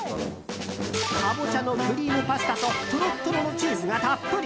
カボチャのクリームパスタとトロットロのチーズがたっぷり！